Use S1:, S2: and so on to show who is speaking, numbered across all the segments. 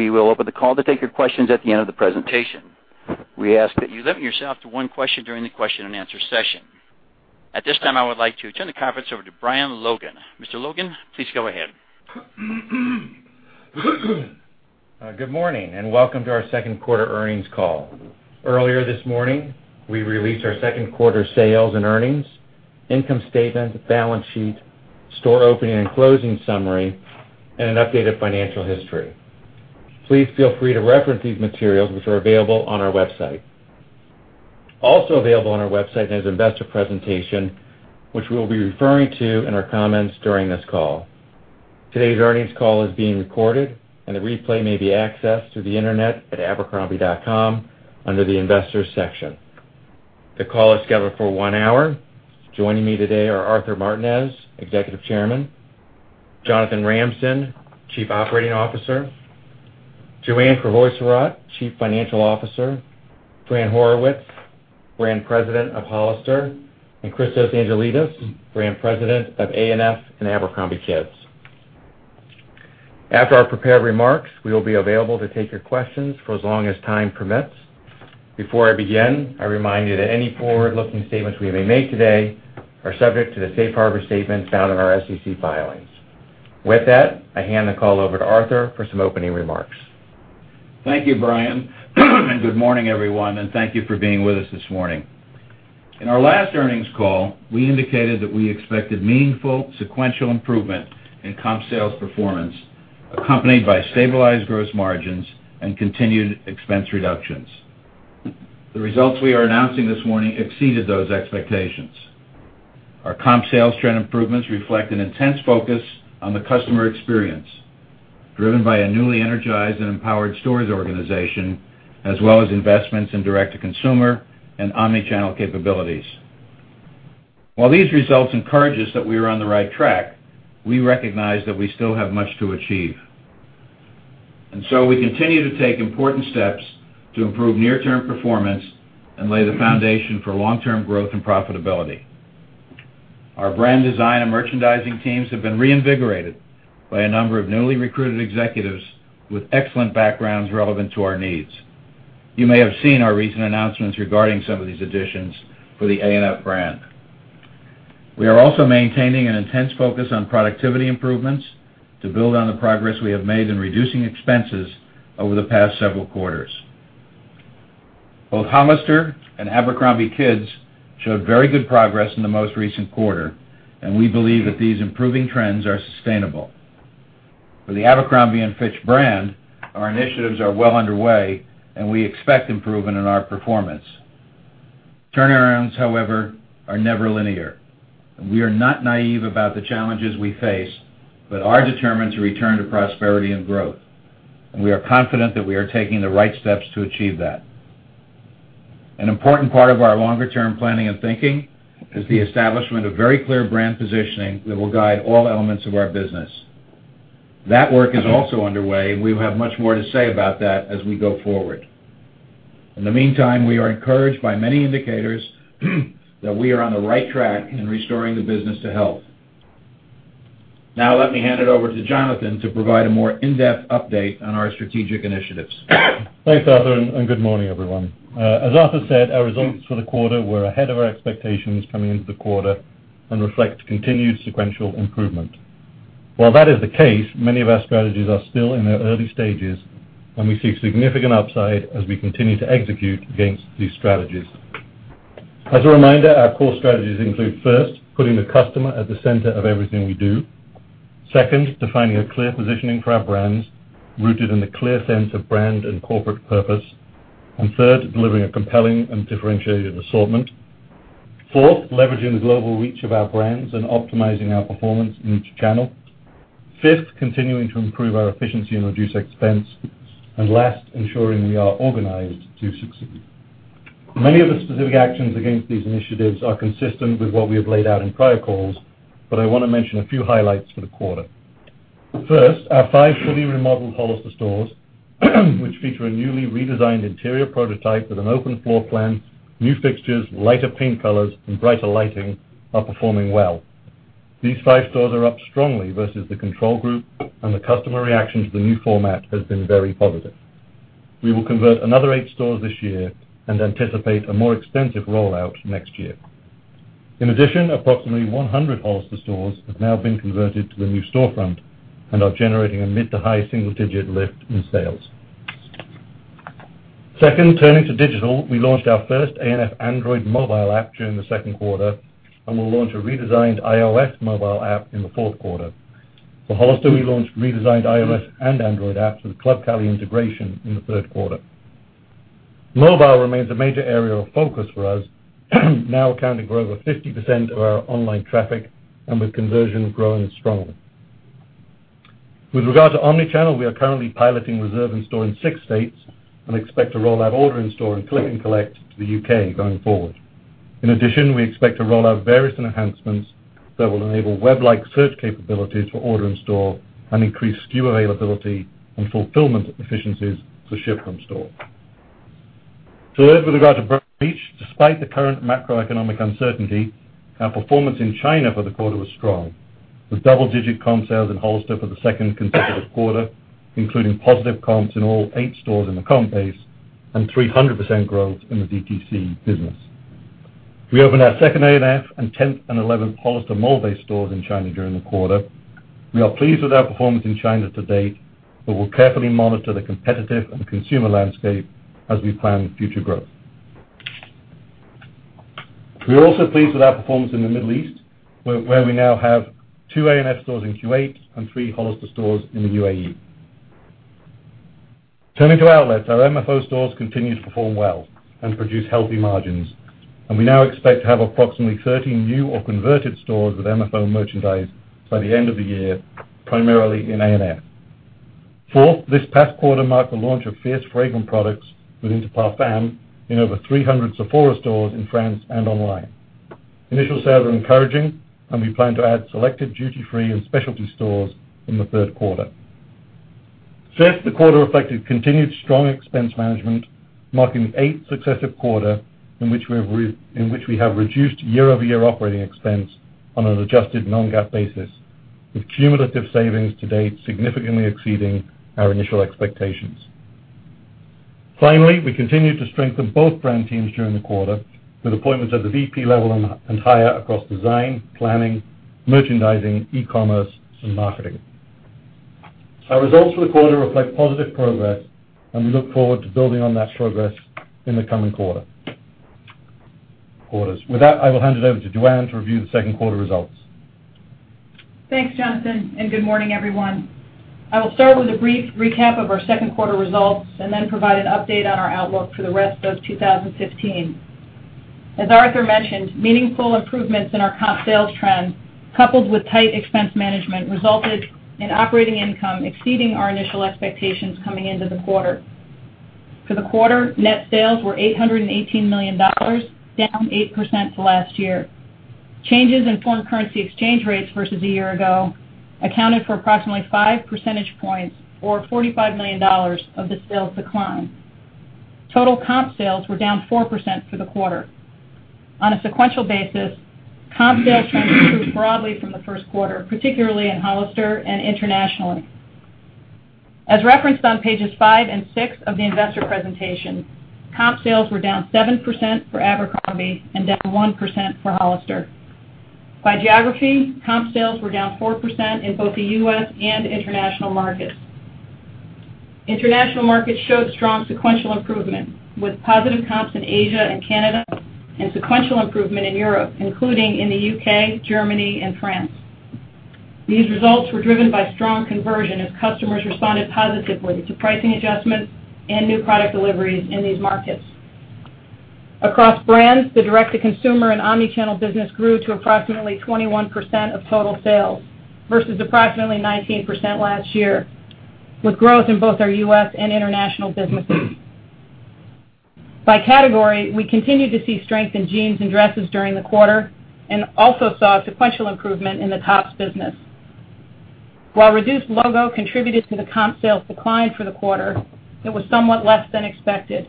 S1: We will open the call to take your questions at the end of the presentation. We ask that you limit yourself to one question during the question-and-answer session. At this time, I would like to turn the conference over to Brian Logan. Mr. Logan, please go ahead.
S2: Good morning, and welcome to our second quarter earnings call. Earlier this morning, we released our second quarter sales and earnings, income statement, balance sheet, store opening and closing summary, and an updated financial history. Please feel free to reference these materials, which are available on our website. Also available on our website is an investor presentation, which we will be referring to in our comments during this call. Today's earnings call is being recorded, and a replay may be accessed through the internet at abercrombie.com under the Investors section. The call is scheduled for one hour. Joining me today are Arthur Martinez, Executive Chairman, Jonathan Ramsden, Chief Operating Officer, Joanne Crevoiserat, Chief Financial Officer, Fran Horowitz, Brand President of Hollister, and Christos Angelides, Brand President of A&F and Abercrombie Kids. After our prepared remarks, we will be available to take your questions for as long as time permits. Before I begin, I remind you that any forward-looking statements we may make today are subject to the safe harbor statement found in our SEC filings. With that, I hand the call over to Arthur for some opening remarks.
S3: Thank you, Brian. Good morning, everyone, and thank you for being with us this morning. In our last earnings call, we indicated that we expected meaningful sequential improvement in comp sales performance, accompanied by stabilized gross margins and continued expense reductions. The results we are announcing this morning exceeded those expectations. Our comp sales trend improvements reflect an intense focus on the customer experience, driven by a newly energized and empowered stores organization, as well as investments in direct-to-consumer and omnichannel capabilities. While these results encourage us that we are on the right track, we recognize that we still have much to achieve. We continue to take important steps to improve near-term performance and lay the foundation for long-term growth and profitability. Our brand design and merchandising teams have been reinvigorated by a number of newly recruited executives with excellent backgrounds relevant to our needs. You may have seen our recent announcements regarding some of these additions for the A&F brand. We are also maintaining an intense focus on productivity improvements to build on the progress we have made in reducing expenses over the past several quarters. Both Hollister and Abercrombie Kids showed very good progress in the most recent quarter, and we believe that these improving trends are sustainable. For the Abercrombie & Fitch brand, our initiatives are well underway, and we expect improvement in our performance. Turnarounds, however, are never linear, and we are not naive about the challenges we face, but are determined to return to prosperity and growth. We are confident that we are taking the right steps to achieve that. An important part of our longer-term planning and thinking is the establishment of very clear brand positioning that will guide all elements of our business. That work is also underway, and we will have much more to say about that as we go forward. In the meantime, we are encouraged by many indicators that we are on the right track in restoring the business to health. Now let me hand it over to Jonathan to provide a more in-depth update on our strategic initiatives.
S4: Thanks, Arthur, and good morning, everyone. As Arthur said, our results for the quarter were ahead of our expectations coming into the quarter and reflect continued sequential improvement. While that is the case, many of our strategies are still in their early stages, and we see significant upside as we continue to execute against these strategies. As a reminder, our core strategies include, first, putting the customer at the center of everything we do. Second, defining a clear positioning for our brands rooted in the clear sense of brand and corporate purpose. Third, delivering a compelling and differentiated assortment. Fourth, leveraging the global reach of our brands and optimizing our performance in each channel. Fifth, continuing to improve our efficiency and reduce expense. Last, ensuring we are organized to succeed. Many of the specific actions against these initiatives are consistent with what we have laid out in prior calls, but I want to mention a few highlights for the quarter. First, our five fully remodeled Hollister stores which feature a newly redesigned interior prototype with an open floor plan, new fixtures, lighter paint colors, and brighter lighting, are performing well. These five stores are up strongly versus the control group, and the customer reaction to the new format has been very positive. We will convert another eight stores this year and anticipate a more extensive rollout next year. In addition, approximately 100 Hollister stores have now been converted to the new storefront and are generating a mid-to-high single-digit lift in sales. Second, turning to digital, we launched our first A&F Android mobile app during the second quarter, and we will launch a redesigned iOS mobile app in the fourth quarter. For Hollister, we launched redesigned iOS and Android apps with Club Cali integration in the third quarter. Mobile remains a major area of focus for us, now accounting for over 50% of our online traffic and with conversions growing strongly. With regard to omnichannel, we are currently piloting Reserve in-Store in six states and expect to roll out Order in-Store and Click and Collect to the U.K. going forward. In addition, we expect to roll out various enhancements that will enable web-like search capabilities for Order in-Store and increase SKU availability and fulfillment efficiencies to Ship from Store. Let's regard to brand reach. Despite the current macroeconomic uncertainty, our performance in China for the quarter was strong, with double-digit comp sales in Hollister for the second consecutive quarter, including positive comps in all eight stores in the comp base and 300% growth in the DTC business. We opened our second A&F and tenth and 11th Hollister mall-based stores in China during the quarter. We are pleased with our performance in China to date, but will carefully monitor the competitive and consumer landscape as we plan future growth. We are also pleased with our performance in the Middle East, where we now have two A&F stores in Kuwait and three Hollister stores in the U.A.E. Turning to outlets, our MFO stores continue to perform well and produce healthy margins, and we now expect to have approximately 30 new or converted stores with MFO merchandise by the end of the year, primarily in A&F. Fourth, this past quarter marked the launch of Fierce fragrance products with Interparfums in over 300 Sephora stores in France and online. Initial sales are encouraging, and we plan to add selected duty-free and specialty stores in the third quarter. Fifth, the quarter reflected continued strong expense management, marking the eighth successive quarter in which we have reduced year-over-year operating expense on an adjusted non-GAAP basis, with cumulative savings to date significantly exceeding our initial expectations. Finally, we continue to strengthen both brand teams during the quarter with appointments at the VP level and higher across design, planning, merchandising, e-commerce, and marketing. Our results for the quarter reflect positive progress, and we look forward to building on that progress in the coming quarters. With that, I will hand it over to Joanne to review the second quarter results.
S5: Thanks, Jonathan, and good morning, everyone. I will start with a brief recap of our second quarter results and then provide an update on our outlook for the rest of 2015. As Arthur mentioned, meaningful improvements in our comp sales trends, coupled with tight expense management, resulted in operating income exceeding our initial expectations coming into the quarter. For the quarter, net sales were $818 million, down 8% to last year. Changes in foreign currency exchange rates versus a year ago accounted for approximately five percentage points or $45 million of the sales decline. Total comp sales were down 4% for the quarter. On a sequential basis, comp sales trends improved broadly from the first quarter, particularly in Hollister and internationally. As referenced on pages five and six of the investor presentation, comp sales were down 7% for Abercrombie and down 1% for Hollister. By geography, comp sales were down 4% in both the U.S. and international markets. International markets showed strong sequential improvement, with positive comps in Asia and Canada and sequential improvement in Europe, including in the U.K., Germany, and France. These results were driven by strong conversion as customers responded positively to pricing adjustments and new product deliveries in these markets. Across brands, the direct-to-consumer and omnichannel business grew to approximately 21% of total sales versus approximately 19% last year, with growth in both our U.S. and international businesses. By category, we continue to see strength in jeans and dresses during the quarter and also saw sequential improvement in the tops business. While reduced logo contributed to the comp sales decline for the quarter, it was somewhat less than expected.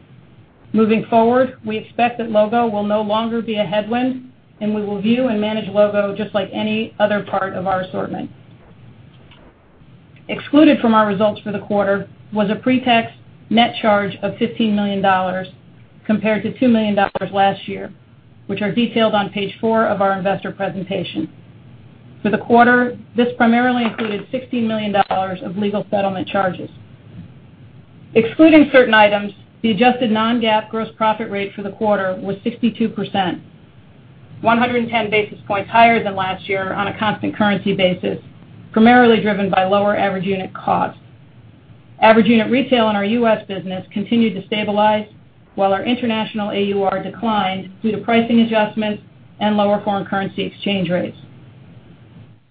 S5: Moving forward, we expect that logo will no longer be a headwind, and we will view and manage logo just like any other part of our assortment. Excluded from our results for the quarter was a pre-tax net charge of $15 million compared to $2 million last year, which are detailed on page four of our investor presentation. For the quarter, this primarily included $16 million of legal settlement charges. Excluding certain items, the adjusted non-GAAP gross profit rate for the quarter was 62%, 110 basis points higher than last year on a constant currency basis, primarily driven by lower average unit cost. Average unit retail in our U.S. business continued to stabilize, while our international AUR declined due to pricing adjustments and lower foreign currency exchange rates.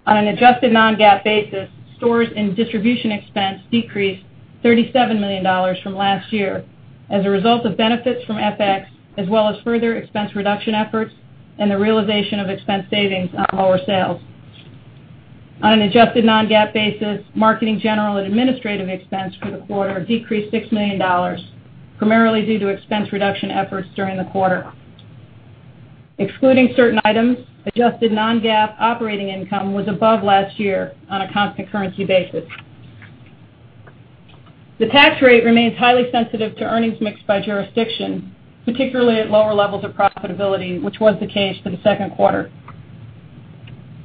S5: On an adjusted non-GAAP basis, stores and distribution expense decreased $37 million from last year as a result of benefits from FX, as well as further expense reduction efforts and the realization of expense savings on lower sales. On an adjusted non-GAAP basis, marketing, general and administrative expense for the quarter decreased $6 million, primarily due to expense reduction efforts during the quarter. Excluding certain items, adjusted non-GAAP operating income was above last year on a constant currency basis. The tax rate remains highly sensitive to earnings mix by jurisdiction, particularly at lower levels of profitability, which was the case for the second quarter.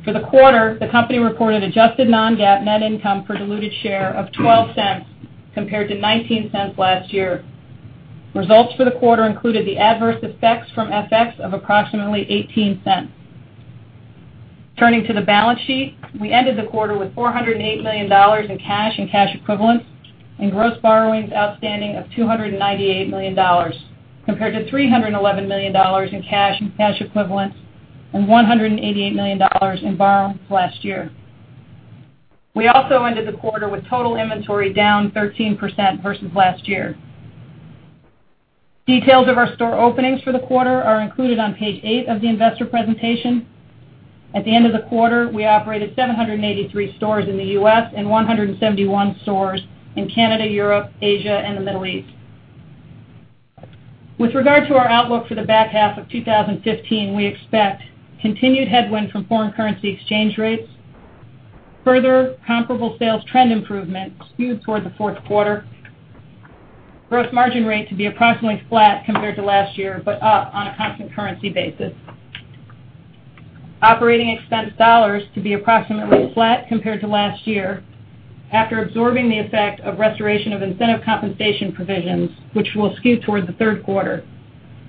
S5: For the quarter, the company reported adjusted non-GAAP net income per diluted share of $0.12 compared to $0.19 last year. Results for the quarter included the adverse effects from FX of approximately $0.18. Turning to the balance sheet. We ended the quarter with $408 million in cash and cash equivalents and gross borrowings outstanding of $298 million, compared to $311 million in cash and cash equivalents and $188 million in borrowings last year. We also ended the quarter with total inventory down 13% versus last year. Details of our store openings for the quarter are included on page eight of the investor presentation. At the end of the quarter, we operated 783 stores in the U.S. and 171 stores in Canada, Europe, Asia, and the Middle East. With regard to our outlook for the back half of 2015, we expect continued headwind from foreign currency exchange rates, further comparable sales trend improvement skewed toward the fourth quarter, gross margin rate to be approximately flat compared to last year, but up on a constant currency basis. Operating expense dollars to be approximately flat compared to last year after absorbing the effect of restoration of incentive compensation provisions, which will skew toward the third quarter,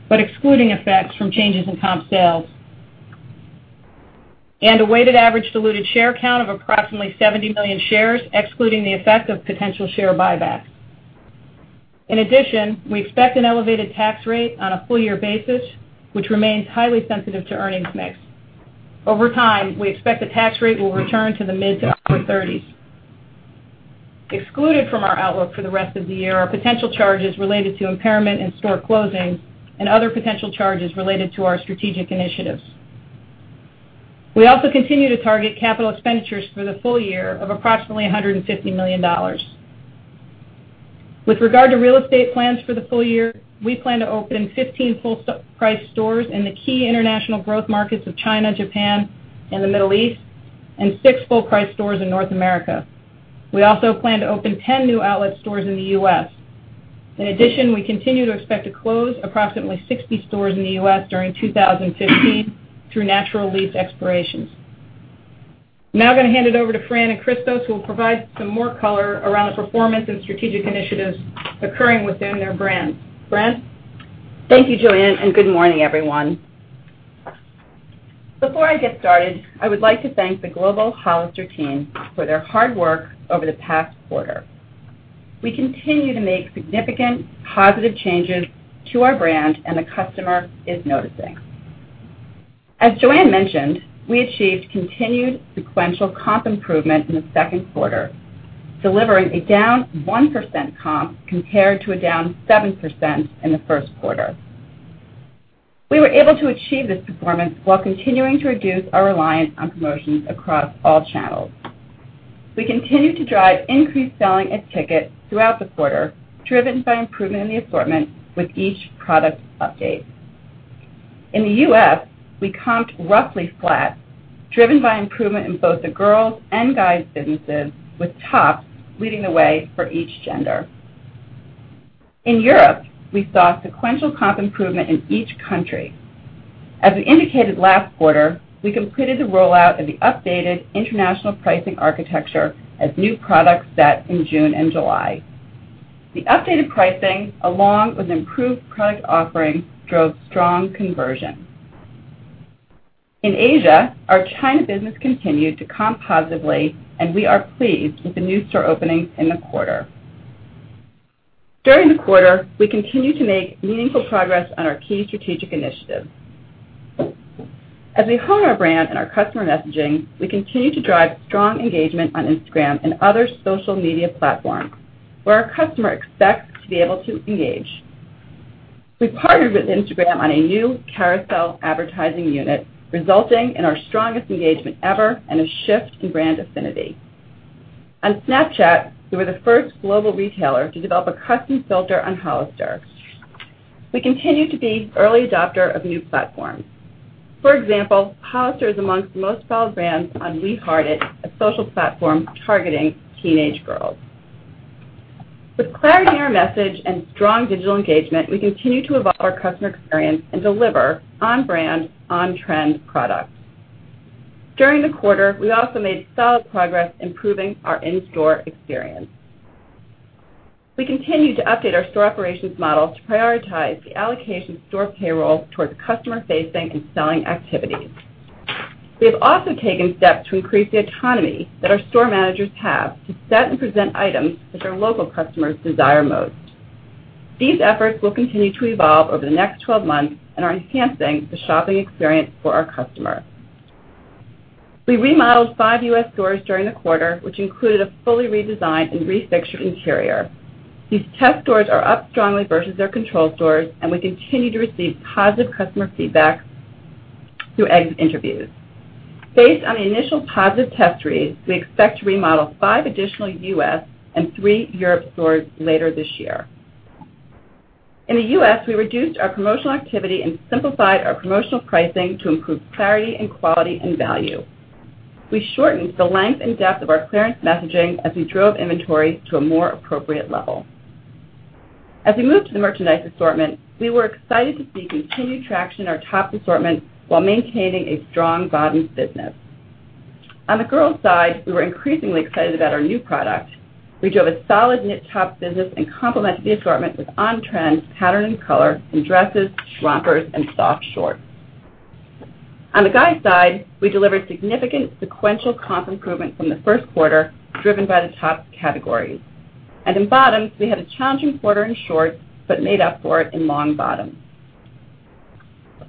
S5: but excluding effects from changes in comp sales. A weighted average diluted share count of approximately 70 million shares, excluding the effect of potential share buybacks. In addition, we expect an elevated tax rate on a full-year basis, which remains highly sensitive to earnings mix. Over time, we expect the tax rate will return to the mid to upper 30s. Excluded from our outlook for the rest of the year are potential charges related to impairment and store closings and other potential charges related to our strategic initiatives. We also continue to target capital expenditures for the full year of approximately $150 million. With regard to real estate plans for the full year, we plan to open 15 full-price stores in the key international growth markets of China, Japan, and the Middle East, and six full-price stores in North America. We also plan to open 10 new outlet stores in the U.S. In addition, we continue to expect to close approximately 60 stores in the U.S. during 2015 through natural lease expirations. I am now going to hand it over to Fran and Christos, who will provide some more color around the performance and strategic initiatives occurring within their brands. Fran?
S6: Thank you, Joanne, and good morning, everyone. Before I get started, I would like to thank the global Hollister team for their hard work over the past quarter. We continue to make significant positive changes to our brand, and the customer is noticing. As Joanne mentioned, we achieved continued sequential comp improvement in the second quarter, delivering a down 1% comp compared to a down 7% in the first quarter. We were able to achieve this performance while continuing to reduce our reliance on promotions across all channels. We continue to drive increased selling a ticket throughout the quarter, driven by improvement in the assortment with each product update. In the U.S., we comped roughly flat, driven by improvement in both the girls' and guys' businesses, with tops leading the way for each gender. In Europe, we saw sequential comp improvement in each country. As we indicated last quarter, we completed the rollout of the updated international pricing architecture as new products set in June and July. The updated pricing, along with improved product offerings, drove strong conversion. In Asia, our China business continued to comp positively, and we are pleased with the new store openings in the quarter. During the quarter, we continued to make meaningful progress on our key strategic initiatives. As we hone our brand and our customer messaging, we continue to drive strong engagement on Instagram and other social media platforms where our customer expects to be able to engage. We partnered with Instagram on a new carousel advertising unit, resulting in our strongest engagement ever and a shift in brand affinity. On Snapchat, we were the first global retailer to develop a custom filter on Hollister. We continue to be early adopter of new platforms. For example, Hollister is amongst the most followed brands on We Heart It, a social platform targeting teenage girls. With clarity in our message and strong digital engagement, we continue to evolve our customer experience and deliver on-brand, on-trend products. During the quarter, we also made solid progress improving our in-store experience. We continue to update our store operations model to prioritize the allocation of store payroll towards customer-facing and selling activities. We have also taken steps to increase the autonomy that our store managers have to set and present items that their local customers desire most. These efforts will continue to evolve over the next 12 months and are enhancing the shopping experience for our customer. We remodeled five U.S. stores during the quarter, which included a fully redesigned and refixured interior. These test stores are up strongly versus their control stores, we continue to receive positive customer feedback through exit interviews. Based on the initial positive test reads, we expect to remodel five additional U.S. and three Europe stores later this year. In the U.S., we reduced our promotional activity and simplified our promotional pricing to improve clarity in quality and value. We shortened the length and depth of our clearance messaging as we drove inventory to a more appropriate level. We moved to the merchandise assortment, we were excited to see continued traction in our top assortment while maintaining a strong bottoms business. On the girls' side, we were increasingly excited about our new product. We drove a solid knit top business and complemented the assortment with on-trend pattern and color in dresses, rompers, and soft shorts. On the guys' side, we delivered significant sequential comp improvement from the first quarter, driven by the top categories. In bottoms, we had a challenging quarter in shorts but made up for it in long bottoms.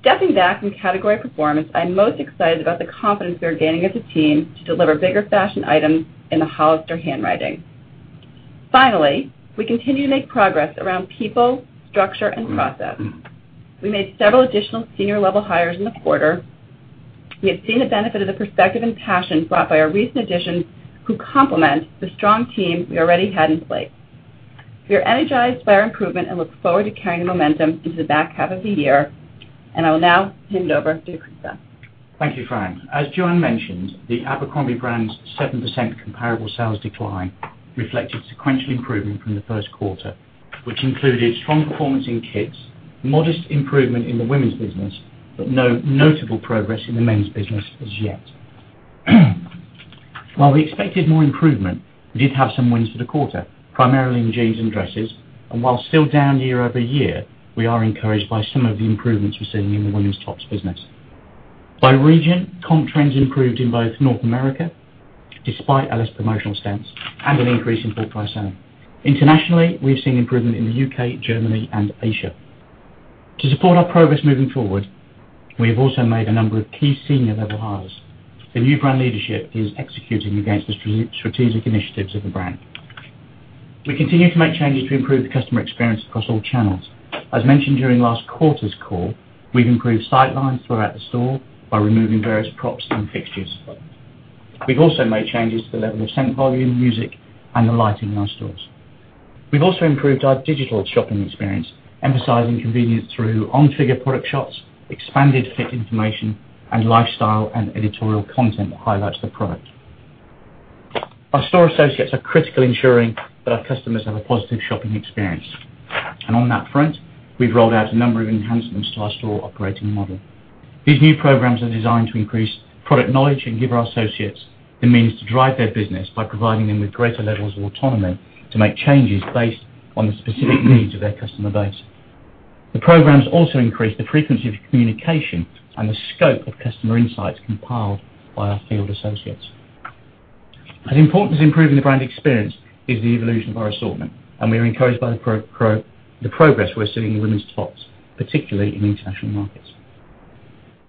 S6: Stepping back from category performance, I'm most excited about the confidence we are gaining as a team to deliver bigger fashion items in the Hollister handwriting. Finally, we continue to make progress around people, structure, and process. We made several additional senior-level hires in the quarter. We have seen the benefit of the perspective and passion brought by our recent additions, who complement the strong team we already had in place. We are energized by our improvement and look forward to carrying the momentum into the back half of the year. I will now hand over to Christos.
S7: Thank you, Fran. Joanne mentioned, the Abercrombie brand's 7% comparable sales decline reflected sequential improvement from the first quarter, which included strong performance in kids, modest improvement in the women's business, no notable progress in the men's business as yet. We expected more improvement, we did have some wins for the quarter, primarily in jeans and dresses. While still down year-over-year, we are encouraged by some of the improvements we're seeing in the women's tops business. By region, comp trends improved in both North America, despite a less promotional stance and an increase in full price selling. Internationally, we've seen improvement in the U.K., Germany, and Asia. To support our progress moving forward, we have also made a number of key senior-level hires. The new brand leadership is executing against the strategic initiatives of the brand. We continue to make changes to improve the customer experience across all channels. As mentioned during last quarter's call, we've improved sightlines throughout the store by removing various props and fixtures. We've also made changes to the level of scent volume, music, and the lighting in our stores. We've also improved our digital shopping experience, emphasizing convenience through on-figure product shots, expanded fit information, and lifestyle and editorial content that highlights the product. Our store associates are critical ensuring that our customers have a positive shopping experience. On that front, we've rolled out a number of enhancements to our store operating model. These new programs are designed to increase product knowledge and give our associates the means to drive their business by providing them with greater levels of autonomy to make changes based on the specific needs of their customer base. The programs also increase the frequency of communication and the scope of customer insights compiled by our field associates. As important as improving the brand experience is the evolution of our assortment, and we are encouraged by the progress we're seeing in women's tops, particularly in international markets.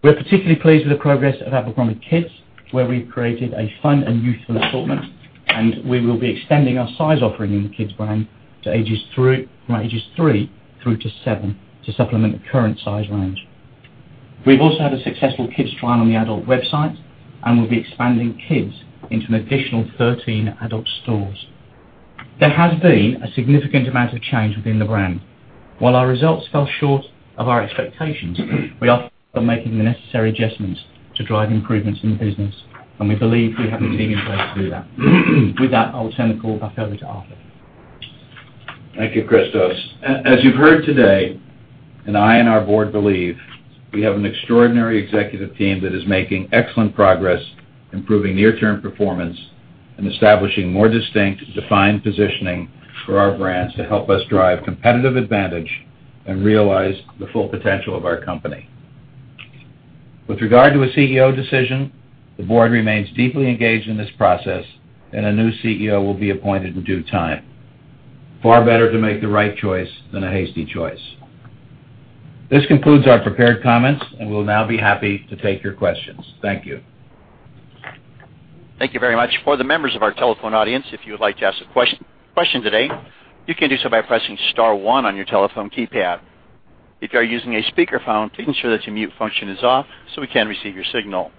S7: We are particularly pleased with the progress of Abercrombie Kids, where we've created a fun and youthful assortment, and we will be extending our size offering in the kids brand from ages three through to seven to supplement the current size range. We've also had a successful kids trial on the adult website, and we'll be expanding kids into an additional 13 adult stores. There has been a significant amount of change within the brand. While our results fell short of our expectations, we are making the necessary adjustments to drive improvements in the business, and we believe we have the team in place to do that. With that, I'll turn the call back over to Arthur.
S3: Thank you, Christos. As you've heard today, I and our board believe, we have an extraordinary executive team that is making excellent progress improving near-term performance and establishing more distinct, defined positioning for our brands to help us drive competitive advantage and realize the full potential of our company. With regard to a CEO decision, the board remains deeply engaged in this process, and a new CEO will be appointed in due time. Far better to make the right choice than a hasty choice. This concludes our prepared comments, we'll now be happy to take your questions. Thank you.
S1: Thank you very much. For the members of our telephone audience, if you would like to ask a question today, you can do so by pressing star one on your telephone keypad. If you are using a speakerphone, please ensure that your mute function is off so we can receive your signal.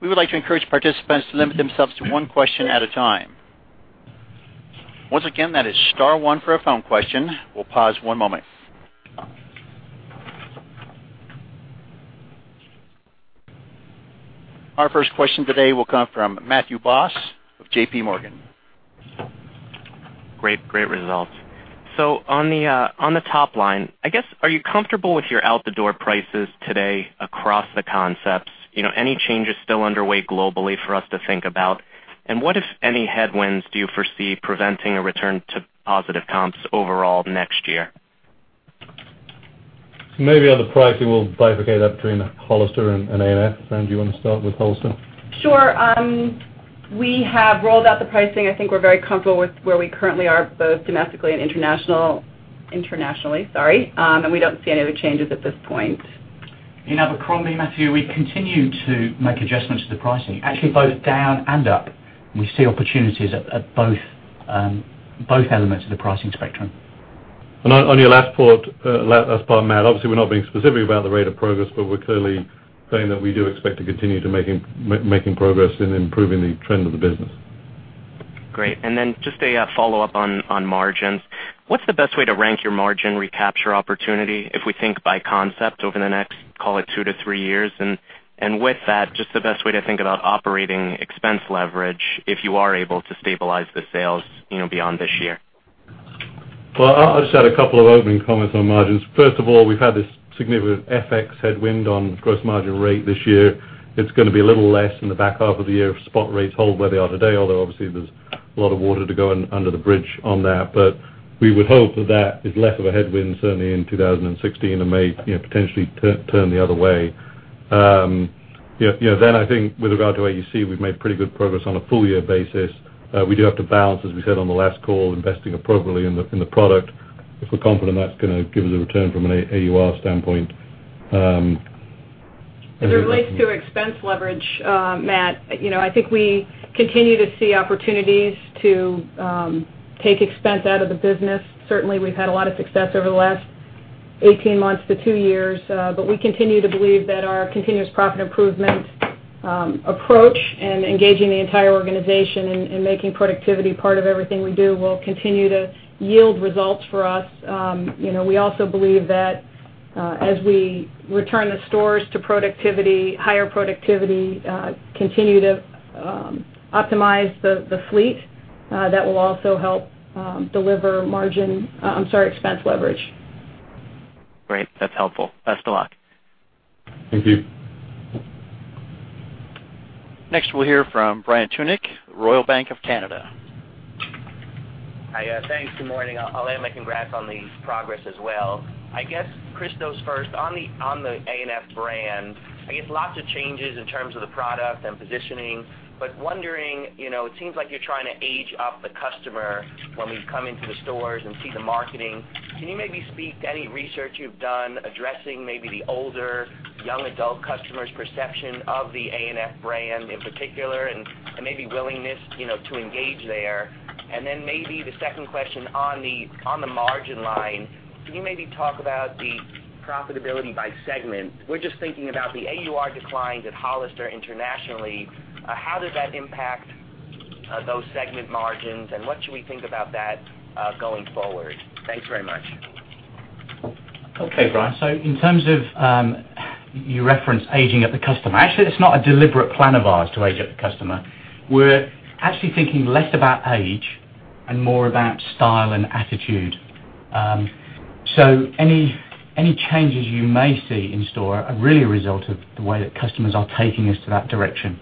S1: We would like to encourage participants to limit themselves to one question at a time. Once again, that is star one for a phone question. We'll pause one moment. Our first question today will come from Matthew Boss of JPMorgan.
S8: Great results. On the top line, I guess, are you comfortable with your out-the-door prices today across the concepts? Any changes still underway globally for us to think about? What, if any, headwinds do you foresee preventing a return to positive comps overall next year?
S4: Maybe on the pricing, we'll bifurcate that between Hollister and A&F. Fran, do you want to start with Hollister?
S6: Sure. We have rolled out the pricing. I think we're very comfortable with where we currently are, both domestically and internationally, and we don't see any other changes at this point.
S7: In Abercrombie, Matthew, we continue to make adjustments to the pricing, actually both down and up. We see opportunities at both elements of the pricing spectrum.
S4: On your last part, Matt, obviously, we're not being specific about the rate of progress. We're clearly saying that we do expect to continue to making progress in improving the trend of the business.
S8: Great. Just a follow-up on margins. What's the best way to rank your margin recapture opportunity if we think by concept over the next, call it two to three years? With that, just the best way to think about operating expense leverage if you are able to stabilize the sales beyond this year.
S4: Well, I'll just add a couple of opening comments on margins. First of all, we've had this significant FX headwind on gross margin rate this year. It's going to be a little less in the back half of the year if spot rates hold where they are today, although obviously there's a lot of water to go under the bridge on that. We would hope that is less of a headwind certainly in 2016 and may potentially turn the other way. I think with regard to AUC, we've made pretty good progress on a full-year basis. We do have to balance, as we said on the last call, investing appropriately in the product if we're confident that's going to give us a return from an AUR standpoint.
S5: With respect to expense leverage, Matt, I think we continue to see opportunities to take expense out of the business. Certainly, we've had a lot of success over the last 18 months to 2 years, but we continue to believe that our continuous profit improvement approach and engaging the entire organization in making productivity part of everything we do will continue to yield results for us. We also believe that as we return the stores to higher productivity, continue to optimize the fleet, that will also help deliver expense leverage.
S8: Great. That's helpful. Best of luck.
S4: Thank you.
S1: Next, we'll hear from Brian Tunick, Royal Bank of Canada.
S9: Hi. Thanks. Good morning. I'll add my congrats on the progress as well. Christos first. On the ANF brand, lots of changes in terms of the product and positioning, but wondering, it seems like you're trying to age up the customer when we come into the stores and see the marketing. Can you maybe speak to any research you've done addressing maybe the older young adult customers' perception of the ANF brand in particular, and maybe willingness to engage there? Maybe the second question on the margin line. Can you maybe talk about the profitability by segment? We're just thinking about the AUR declines at Hollister internationally. How does that impact those segment margins, and what should we think about that going forward? Thanks very much.
S7: Okay, Brian. You referenced aging up the customer. Actually, it's not a deliberate plan of ours to age up the customer. We're actually thinking less about age and more about style and attitude. Any changes you may see in store are really a result of the way that customers are taking us to that direction.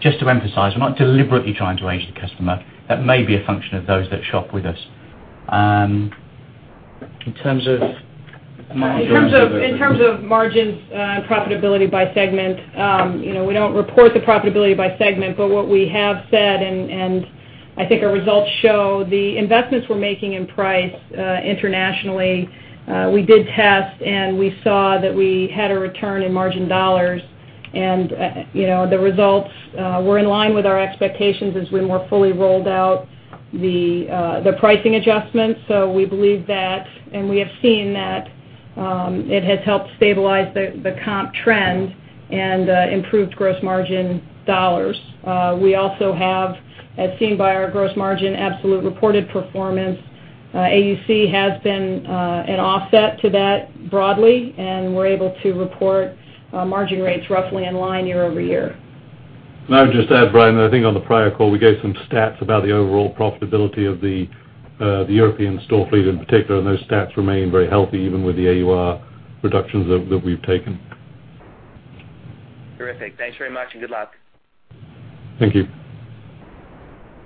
S7: Just to emphasize, we're not deliberately trying to age the customer. That may be a function of those that shop with us.
S5: In terms of margins and profitability by segment, we don't report the profitability by segment, but what we have said, and I think our results show the investments we're making in price internationally. We did test, and we saw that we had a return in margin dollars, and the results were in line with our expectations as we more fully rolled out the pricing adjustments. We believe that, and we have seen that it has helped stabilize the comp trend and improved gross margin dollars. We also have, as seen by our gross margin absolute reported performance, AUC has been an offset to that broadly, and we're able to report margin rates roughly in line year-over-year.
S4: I would just add, Brian, I think on the prior call, we gave some stats about the overall profitability of the European store fleet in particular, and those stats remain very healthy even with the AUR reductions that we've taken.
S9: Terrific. Thanks very much and good luck.
S4: Thank you.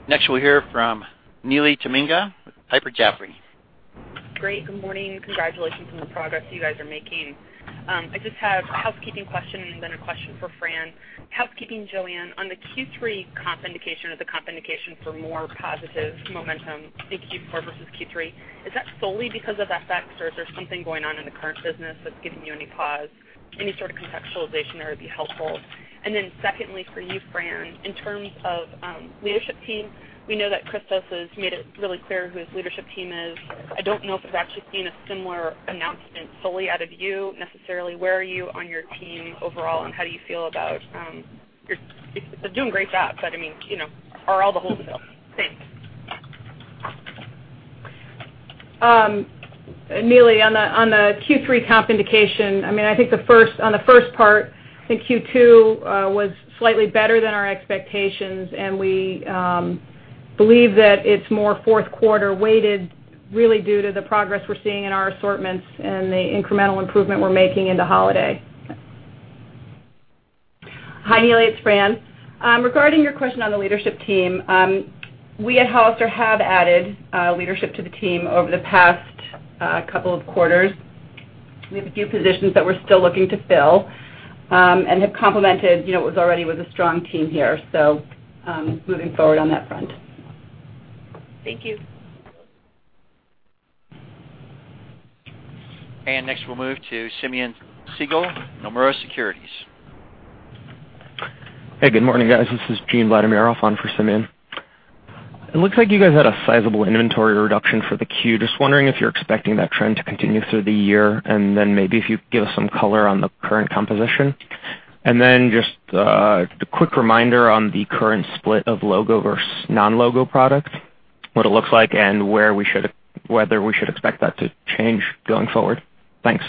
S1: Next, we'll hear from Neely Tamminga with Piper Jaffray.
S10: Great. Good morning. Congratulations on the progress you guys are making. I just have a housekeeping question and then a question for Fran. Housekeeping, Joanne, on the Q3 comp indication or the comp indication for more positive momentum in Q4 versus Q3, is that solely because of FX or is there something going on in the current business that's giving you any pause? Any sort of contextualization there would be helpful. Secondly, for you, Fran, in terms of leadership team, we know that Christos has made it really clear who his leadership team is. I don't know if we've actually seen a similar announcement fully out of you necessarily. Where are you on your team overall, and how do you feel about You're doing a great job, but are all the holes filled? Thanks.
S5: Neely, on the Q3 comp indication, on the first part, I think Q2 was slightly better than our expectations. We believe that it's more fourth-quarter weighted, really due to the progress we're seeing in our assortments and the incremental improvement we're making into holiday.
S6: Hi, Neely, it's Fran. Regarding your question on the leadership team, we at Hollister have added leadership to the team over the past couple of quarters. We have a few positions that we're still looking to fill and have complemented what was already a strong team here. Moving forward on that front.
S10: Thank you.
S1: Next we'll move to Simeon Siegel, Nomura Securities.
S11: Hey, good morning, guys. This is Gene Vladimirov on for Simeon. It looks like you guys had a sizable inventory reduction for the Q. Just wondering if you're expecting that trend to continue through the year. Maybe if you could give us some color on the current composition. Just a quick reminder on the current split of logo versus non-logo product, what it looks like and whether we should expect that to change going forward. Thanks.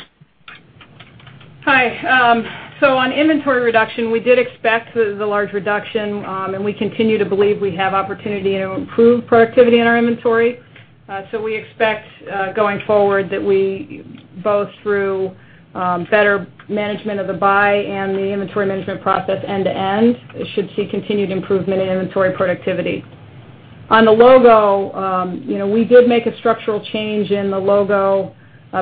S5: Hi. On inventory reduction, we did expect the large reduction, and we continue to believe we have opportunity to improve productivity in our inventory. We expect, going forward, that we, both through better management of the buy and the inventory management process end to end, should see continued improvement in inventory productivity. On the logo, we did make a structural change in the logo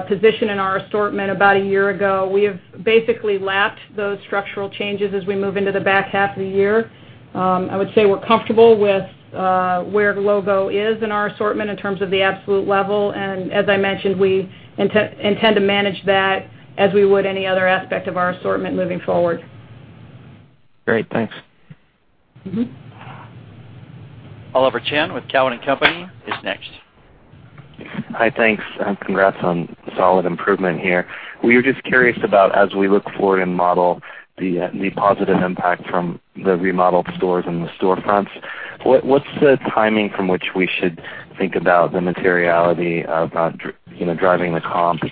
S5: position in our assortment about a year ago. We have basically lapped those structural changes as we move into the back half of the year.
S6: I would say we're comfortable with where logo is in our assortment in terms of the absolute level. As I mentioned, we intend to manage that as we would any other aspect of our assortment moving forward.
S11: Great. Thanks.
S1: Oliver Chen with Cowen and Company is next.
S12: Hi. Thanks, and congrats on the solid improvement here. We were just curious about, as we look forward and model the positive impact from the remodeled stores and the storefronts, what's the timing from which we should think about the materiality of driving the comps?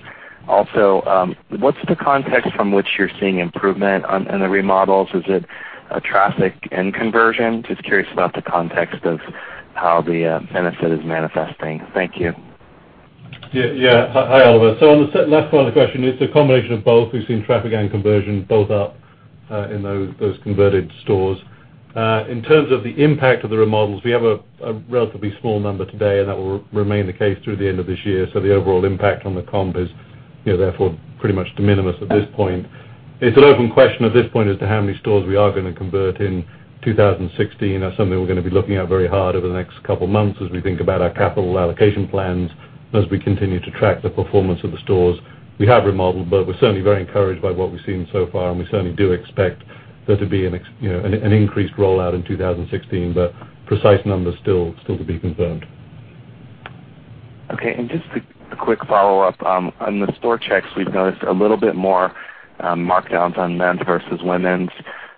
S12: What's the context from which you're seeing improvement on the remodels? Is it traffic and conversion? Just curious about the context of how the benefit is manifesting. Thank you.
S4: Yeah. Hi, Oliver. On the last part of the question, it's a combination of both. We've seen traffic and conversion both up in those converted stores. In terms of the impact of the remodels, we have a relatively small number today, and that will remain the case through the end of this year. The overall impact on the comp is therefore pretty much de minimis at this point. It's an open question at this point as to how many stores we are going to convert in 2016. That's something we're going to be looking at very hard over the next couple of months as we think about our capital allocation plans, and as we continue to track the performance of the stores we have remodeled. We're certainly very encouraged by what we've seen so far, and we certainly do expect there to be an increased rollout in 2016, but precise numbers still to be confirmed.
S12: Okay. Just a quick follow-up. On the store checks, we've noticed a little bit more markdowns on men's versus women's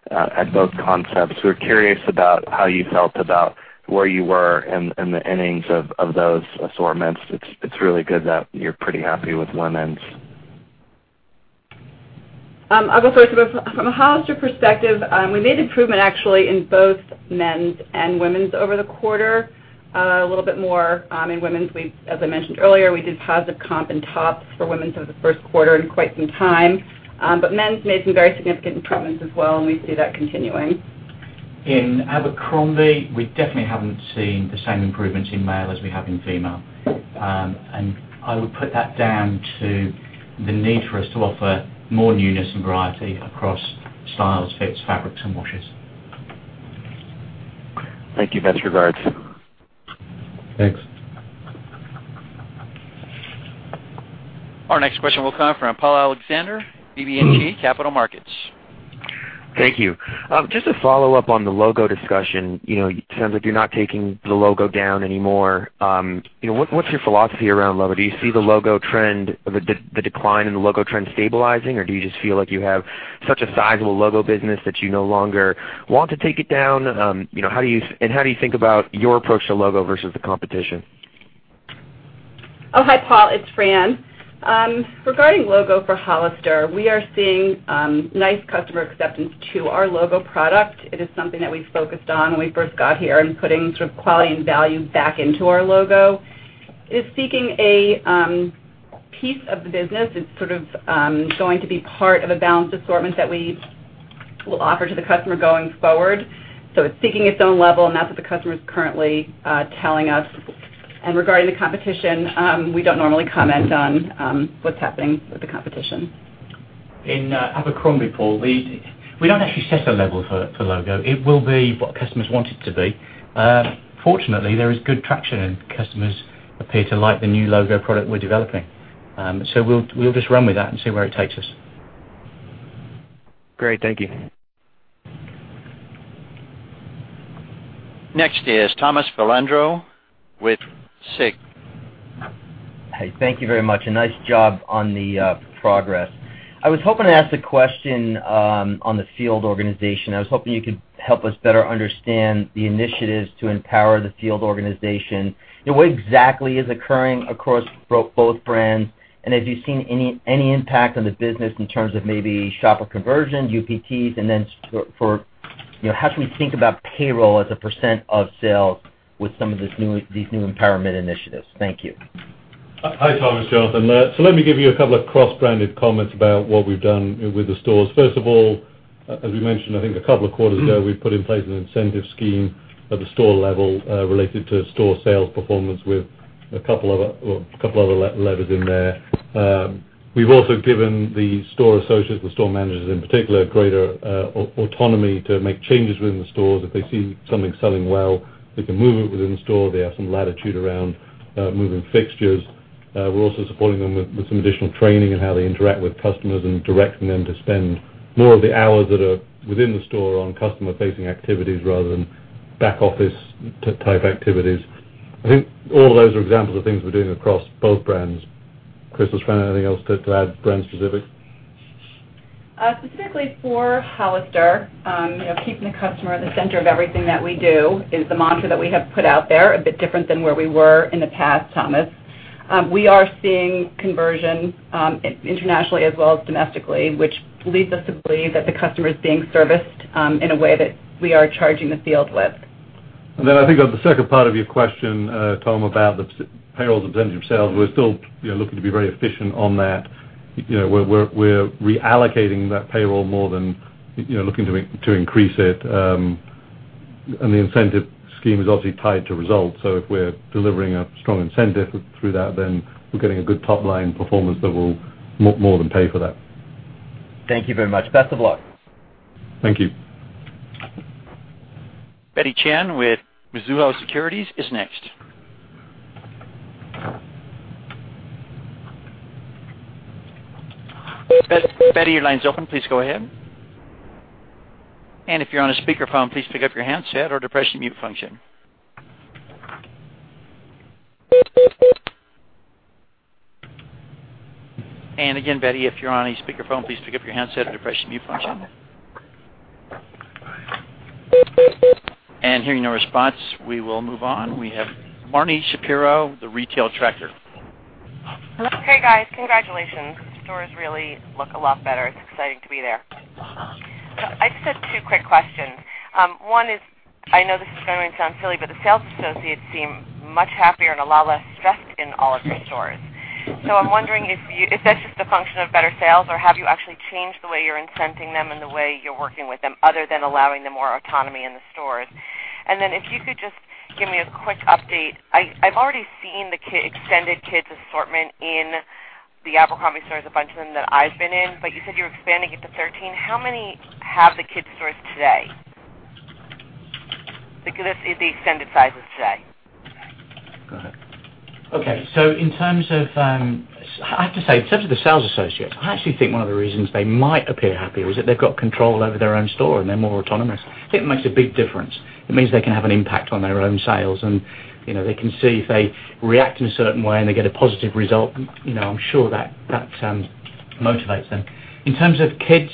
S12: at both concepts. We were curious about how you felt about where you were in the innings of those assortments. It's really good that you're pretty happy with women's.
S6: I'll go first. From a Hollister perspective, we made improvement actually in both men's and women's over the quarter. A little bit more in women's. As I mentioned earlier, we did positive comp in tops for women's over the first quarter in quite some time. Men's made some very significant improvements as well, and we see that continuing.
S7: In Abercrombie, we definitely haven't seen the same improvements in male as we have in female. I would put that down to the need for us to offer more newness and variety across styles, fits, fabrics, and washes.
S12: Thank you. Best regards.
S4: Thanks.
S1: Our next question will come from Paul Alexander, BB&T Capital Markets.
S13: Thank you. Just a follow-up on the logo discussion. It sounds like you're not taking the logo down anymore. What's your philosophy around logo? Do you see the decline in the logo trend stabilizing, or do you just feel like you have such a sizable logo business that you no longer want to take it down? How do you think about your approach to logo versus the competition?
S6: Oh, hi, Paul. It's Fran. Regarding logo for Hollister, we are seeing nice customer acceptance to our logo product. It is something that we focused on when we first got here and putting sort of quality and value back into our logo. It is seeking a piece of the business. It's sort of going to be part of a balanced assortment that we will offer to the customer going forward. It's seeking its own level, and that's what the customer's currently telling us. Regarding the competition, we don't normally comment on what's happening with the competition.
S7: In Abercrombie, Paul, we don't actually set a level for logo. It will be what customers want it to be. Fortunately, there is good traction, and customers appear to like the new logo product we're developing. We'll just run with that and see where it takes us.
S13: Great. Thank you.
S1: Next is Thomas Filandro with SIG.
S14: Hey. Thank you very much, Nice job on the progress. I was hoping to ask a question on the field organization. I was hoping you could help us better understand the initiatives to empower the field organization, What exactly is occurring across both brands. Have you seen any impact on the business in terms of maybe shopper conversion, UPTs, How should we think about payroll as a % of sales with some of these new empowerment initiatives? Thank you.
S4: Hi, Thomas. Jonathan. Let me give you a couple of cross-branded comments about what we've done with the stores. First of all, as we mentioned, I think a couple of quarters ago, we put in place an incentive scheme at the store level, related to store sales performance with a couple of other levers in there. We've also given the store associates, the store managers in particular, greater autonomy to make changes within the stores. If they see something selling well, they can move it within the store. They have some latitude around moving fixtures. We're also supporting them with some additional training in how they interact with customers and directing them to spend more of the hours that are within the store on customer-facing activities rather than back-office-type activities. I think all of those are examples of things we're doing across both brands. Chris, was there anything else to add brand specific?
S6: Specifically for Hollister, keeping the customer at the center of everything that we do is the mantra that we have put out there, a bit different than where we were in the past, Thomas. We are seeing conversion internationally as well as domestically, which leads us to believe that the customer is being serviced in a way that we are charging the field with.
S4: I think on the second part of your question, Tom, about the payroll as a percentage of sales, we're still looking to be very efficient on that. We're reallocating that payroll more than looking to increase it. The incentive scheme is obviously tied to results. If we're delivering a strong incentive through that, we're getting a good top-line performance that will more than pay for that.
S14: Thank you very much. Best of luck.
S4: Thank you.
S1: Betty Chen with Mizuho Securities is next. Betty, your line's open. Please go ahead. If you're on a speaker phone, please pick up your handset or depress the mute function. Again, Betty, if you're on a speaker phone, please pick up your handset or depress the mute function. Hearing no response, we will move on. We have Marni Shapiro, The Retail Tracker.
S15: Hello. Hey, guys. Congratulations. The stores really look a lot better. It's exciting to be there. I just have two quick questions. One is, I know this is going to sound silly, the sales associates seem much happier and a lot less stressed in all of your stores. I'm wondering if that's just a function of better sales, or have you actually changed the way you're incenting them and the way you're working with them, other than allowing them more autonomy in the stores. Then if you could just give me a quick update. I've already seen the extended Kids assortment in the Abercrombie stores, a bunch of them that I've been in. You said you're expanding it to 13. How many have the Kids stores today? The extended sizes today.
S4: Go ahead.
S7: Okay. I have to say, in terms of the sales associates, I actually think one of the reasons they might appear happier is that they've got control over their own store, and they're more autonomous. I think it makes a big difference. It means they can have an impact on their own sales, and they can see if they react in a certain way, and they get a positive result. I'm sure that motivates them. In terms of Kids,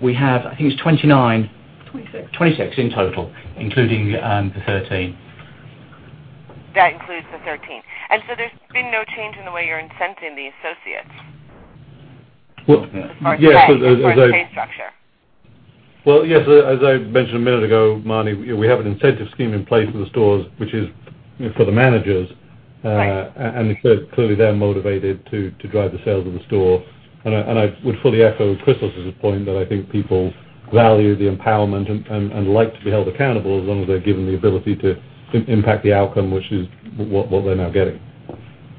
S7: we have, I think it's 29.
S5: Twenty-six. 26 in total, including the 13.
S15: That includes the 13. There's been no change in the way you're incenting the associates.
S4: Well, yes.
S15: As far as pay structure.
S4: Well, yes, as I mentioned a minute ago, Marni, we have an incentive scheme in place in the stores, which is for the managers.
S15: Right.
S4: Clearly, they're motivated to drive the sales of the store. I would fully echo Christos' point that I think people value the empowerment and like to be held accountable, as long as they're given the ability to impact the outcome, which is what they're now getting.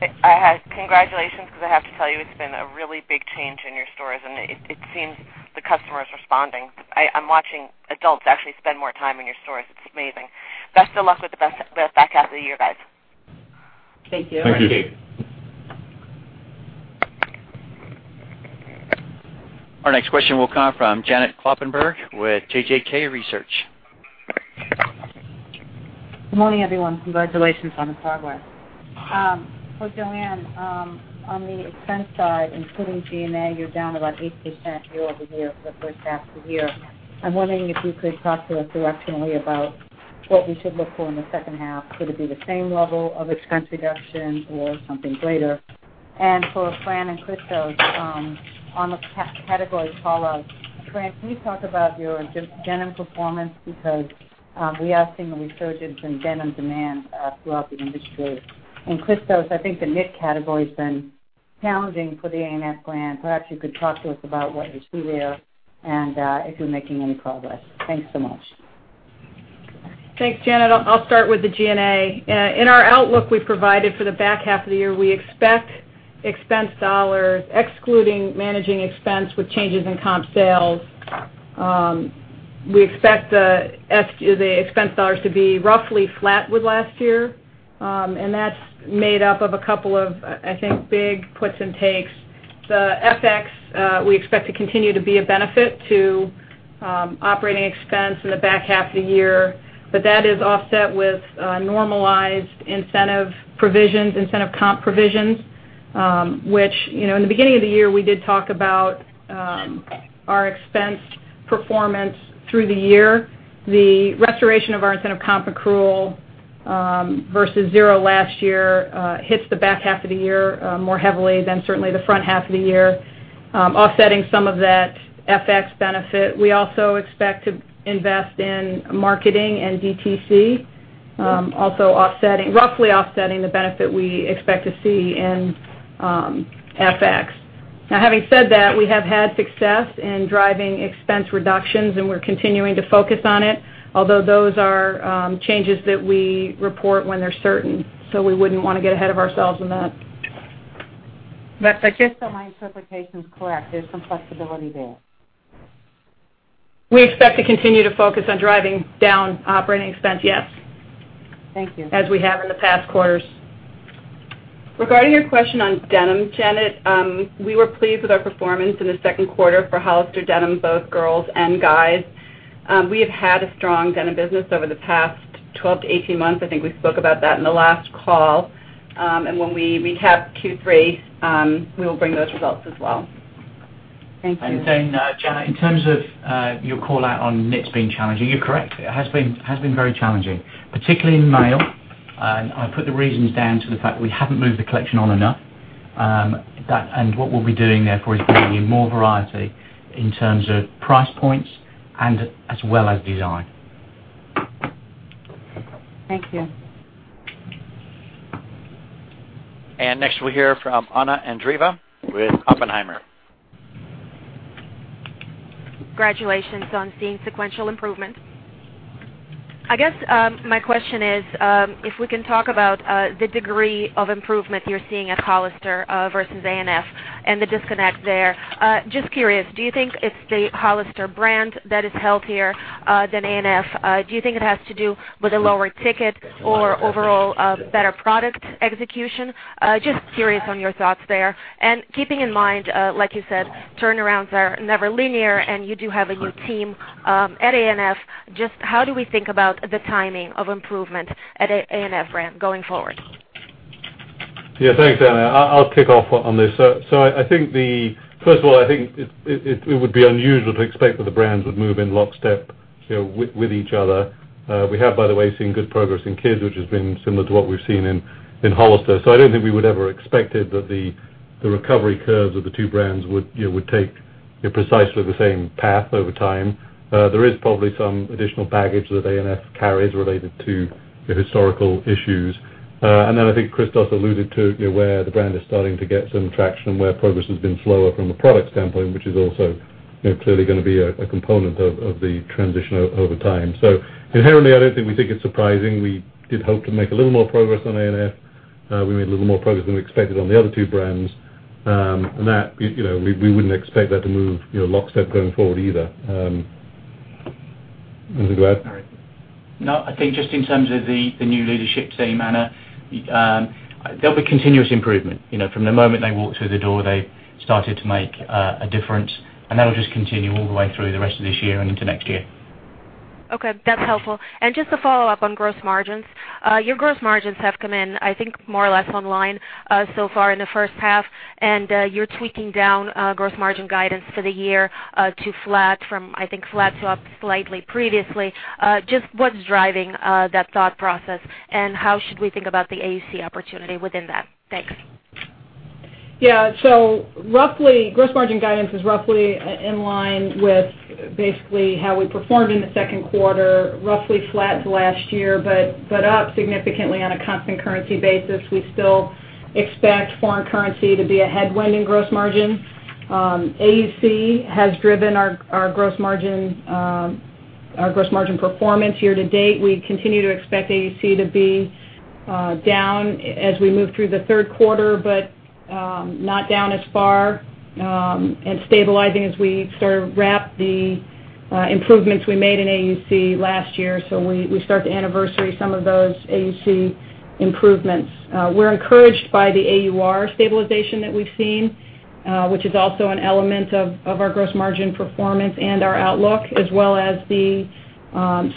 S15: Congratulations, because I have to tell you, it's been a really big change in your stores, and it seems the customer is responding. I'm watching adults actually spend more time in your stores. It's amazing. Best of luck with the back half of the year, guys.
S7: Thank you.
S4: Thank you.
S1: Our next question will come from Janet Kloppenburg with JJK Research.
S16: Good morning, everyone. Congratulations on the progress. For Joanne, on the expense side, including G&A, you're down about 8% year-over-year for the first half of the year. I'm wondering if you could talk to us directionally about what we should look for in the second half. Could it be the same level of expense reduction or something greater? For Fran and Christos, on the categories follow, Fran, can you talk about your denim performance because we are seeing a resurgence in denim demand throughout the industry. Christos, I think the knit category's been challenging for the A&F brand. Perhaps you could talk to us about what you see there and if you're making any progress. Thanks so much.
S5: Thanks, Janet. I'll start with the G&A. In our outlook we provided for the back half of the year, we expect expense dollars, excluding managing expense with changes in comp sales. We expect the expense dollars to be roughly flat with last year. That's made up of a couple of, I think, big puts and takes. The FX, we expect to continue to be a benefit to operating expense in the back half of the year. That is offset with normalized incentive comp provisions, which, in the beginning of the year, we did talk about our expense performance through the year. The restoration of our incentive comp accrual versus 0 last year hits the back half of the year more heavily than certainly the front half of the year, offsetting some of that FX benefit. We also expect to invest in marketing and DTC, also roughly offsetting the benefit we expect to see in FX. Now, having said that, we have had success in driving expense reductions, we're continuing to focus on it, although those are changes that we report when they're certain. We wouldn't want to get ahead of ourselves on that.
S16: Just so my interpretation's correct, there's some flexibility there.
S5: We expect to continue to focus on driving down operating expense, yes.
S16: Thank you.
S5: As we have in the past quarters.
S6: Regarding your question on denim, Janet, we were pleased with our performance in the second quarter for Hollister denim, both girls and guys. We have had a strong denim business over the past 12 to 18 months. I think we spoke about that in the last call. When we recap Q3, we will bring those results as well.
S16: Thank you.
S7: Janet, in terms of your call-out on knits being challenging, you're correct. It has been very challenging, particularly in male. I put the reasons down to the fact that we haven't moved the collection on enough. What we'll be doing therefore is bringing in more variety in terms of price points as well as design.
S16: Thank you.
S1: Next, we'll hear from Anna Andreeva with Oppenheimer.
S17: Congratulations on seeing sequential improvement. I guess my question is, if we can talk about the degree of improvement you're seeing at Hollister versus ANF and the disconnect there. Just curious, do you think it's the Hollister brand that is healthier than ANF? Do you think it has to do with a lower ticket or overall better product execution? Just curious on your thoughts there. Keeping in mind, like you said, turnarounds are never linear, and you do have a new team at ANF. Just how do we think about the timing of improvement at ANF brand going forward?
S4: Thanks, Anna. I'll kick off on this. First of all, I think it would be unusual to expect that the brands would move in lockstep with each other. We have, by the way, seen good progress in Kids, which has been similar to what we've seen in Hollister. I don't think we would ever expected that the recovery curves of the two brands would take precisely the same path over time. There is probably some additional baggage that ANF carries related to historical issues. I think Christos alluded to where the brand is starting to get some traction, where progress has been slower from a product standpoint, which is also clearly going to be a component of the transition over time. Inherently, I don't think we think it's surprising. We did hope to make a little more progress on ANF. We made a little more progress than we expected on the other two brands. That, we wouldn't expect that to move lockstep going forward either. Anything to add?
S7: I think just in terms of the new leadership team, Anna, there'll be continuous improvement. From the moment they walked through the door, they started to make a difference, that'll just continue all the way through the rest of this year and into next year.
S17: That's helpful. Just to follow up on gross margins. Your gross margins have come in, I think, more or less online so far in the first half. You're tweaking down gross margin guidance for the year to flat from, I think, flat to up slightly previously. Just what's driving that thought process, and how should we think about the AUC opportunity within that? Thanks.
S5: Yeah. Roughly, gross margin guidance is roughly in line with basically how we performed in the second quarter, roughly flat to last year, but up significantly on a constant currency basis. We still expect foreign currency to be a headwind in gross margin. AUC has driven our gross margin performance year-to-date. We continue to expect AUC to be down as we move through the third quarter, but not down as far, and stabilizing as we sort of wrap the improvements we made in AUC last year. We start to anniversary some of those AUC improvements. We're encouraged by the AUR stabilization that we've seen, which is also an element of our gross margin performance and our outlook, as well as the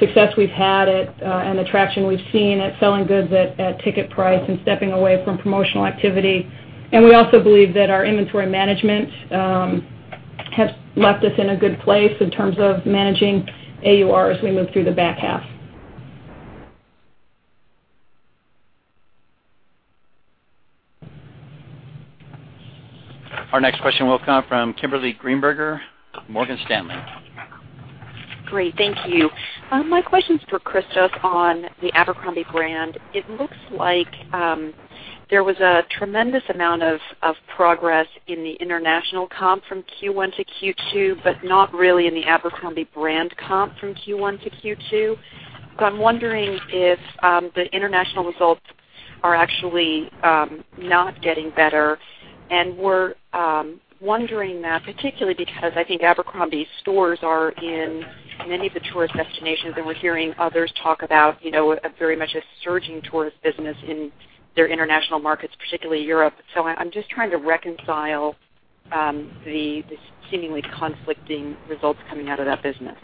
S5: success we've had at, and the traction we've seen at selling goods at ticket price and stepping away from promotional activity. We also believe that our inventory management has left us in a good place in terms of managing AUR as we move through the back half.
S1: Our next question will come from Kimberly Greenberger, Morgan Stanley.
S18: Great. Thank you. My question's for Christos on the Abercrombie brand. It looks like there was a tremendous amount of progress in the international comp from Q1 to Q2, but not really in the Abercrombie brand comp from Q1 to Q2. I'm wondering if the international results are actually not getting better, and we're wondering that particularly because I think Abercrombie stores are in many of the tourist destinations, and we're hearing others talk about very much a surging tourist business in their international markets, particularly Europe. I'm just trying to reconcile the seemingly conflicting results coming out of that business.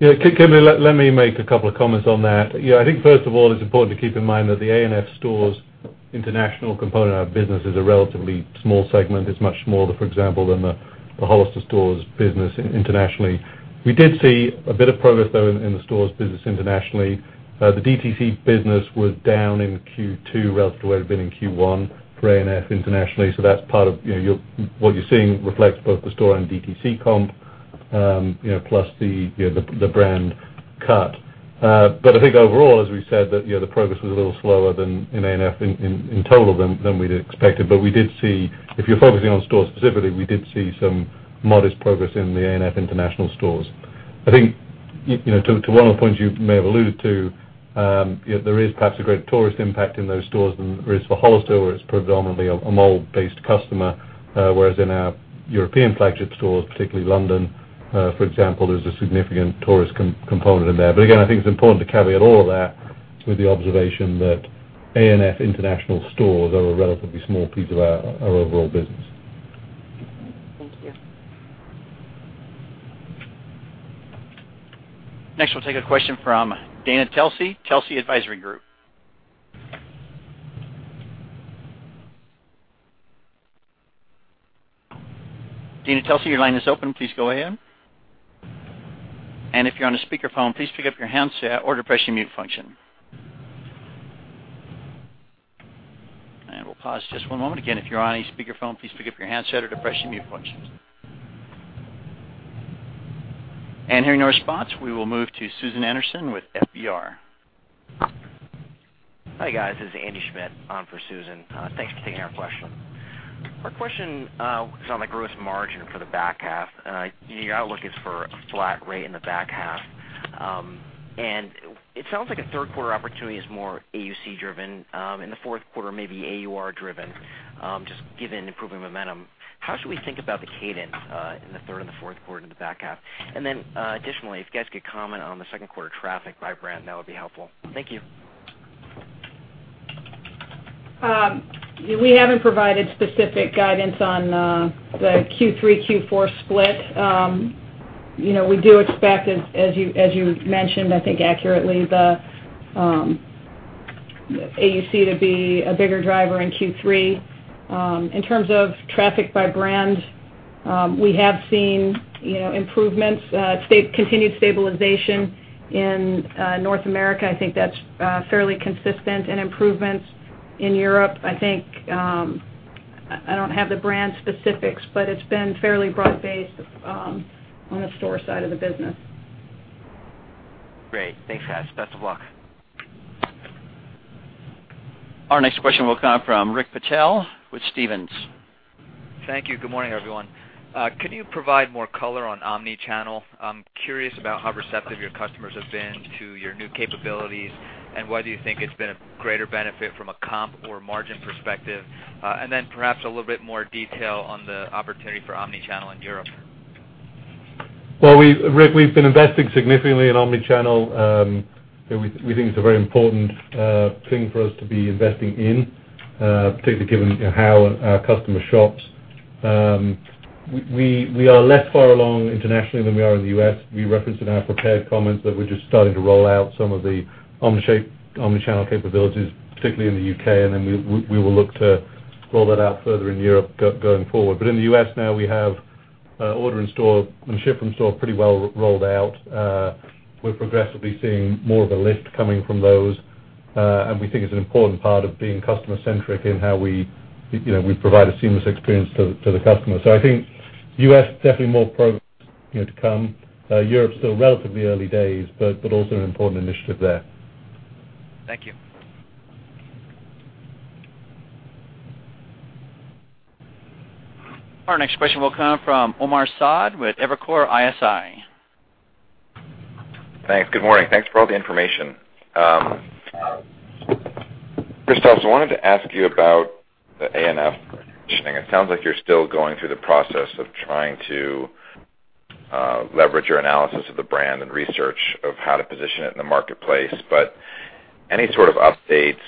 S4: Yeah. Kimberly, let me make a couple of comments on that. First of all, it's important to keep in mind that the A&F Stores international component of our business is a relatively small segment. It's much smaller, for example, than the Hollister Stores business internationally. We did see a bit of progress, though, in the stores business internationally. The DTC business was down in Q2 relative to where it had been in Q1 for A&F internationally. That's part of what you're seeing reflects both the store and DTC comp, plus the brand cut. I think overall, as we said, that the progress was a little slower than in A&F in total than we'd expected. If you're focusing on stores specifically, we did see some modest progress in the A&F international stores. I think, to one of the points you may have alluded to, there is perhaps a great tourist impact in those stores than there is for Hollister, where it's predominantly a mall-based customer, whereas in our European flagship stores, particularly London, for example, there's a significant tourist component in there. Again, I think it's important to caveat all of that with the observation that A&F international stores are a relatively small piece of our overall business.
S18: Thank you.
S1: Next, we'll take a question from Dana Telsey Advisory Group. Dana Telsey, your line is open. Please go ahead. If you're on a speaker phone, please pick up your handset or depress your mute function. We'll pause just one moment. Again, if you're on any speaker phone, please pick up your handset or depress your mute function. Hearing no response, we will move to Susan Anderson with FBR & Co.
S19: Hi, guys. This is Andrew Schmidt on for Susan. Thanks for taking our question. Our question is on the gross margin for the back half. Your outlook is for a flat rate in the back half. It sounds like a third quarter opportunity is more AUC driven, and the fourth quarter may be AUR driven, just given improving momentum. How should we think about the cadence in the third and the fourth quarter in the back half? Additionally, if you guys could comment on the second quarter traffic by brand, that would be helpful. Thank you.
S5: We haven't provided specific guidance on the Q3, Q4 split. We do expect, as you mentioned, I think accurately, the AUC to be a bigger driver in Q3. In terms of traffic by brand, we have seen improvements, continued stabilization in North America. I think that's fairly consistent in improvements in Europe. I don't have the brand specifics, but it's been fairly broad-based on the store side of the business.
S19: Great. Thanks, guys. Best of luck.
S1: Our next question will come from Rick Patel with Stephens.
S20: Thank you. Good morning, everyone. Could you provide more color on omnichannel? I'm curious about how receptive your customers have been to your new capabilities and whether you think it's been a greater benefit from a comp or margin perspective. Perhaps a little bit more detail on the opportunity for omnichannel in Europe.
S4: Well, Rick, we've been investing significantly in omnichannel. We think it's a very important thing for us to be investing in, particularly given how our customer shops. We are less far along internationally than we are in the U.S. We referenced in our prepared comments that we're just starting to roll out some of the omnichannel capabilities, particularly in the U.K. We will look to roll that out further in Europe going forward. In the U.S. now, we have Order in-Store and Ship from Store pretty well rolled out. We're progressively seeing more of a lift coming from those, and we think it's an important part of being customer-centric in how we provide a seamless experience to the customer. I think U.S., definitely more progress to come. Europe, still relatively early days, also an important initiative there.
S20: Thank you.
S1: Our next question will come from Omar Saad with Evercore ISI.
S21: Thanks. Good morning. Thanks for all the information. Christos, I wanted to ask you about the ANF positioning. It sounds like you're still going through the process of trying to leverage your analysis of the brand and research of how to position it in the marketplace. But any sort of updates,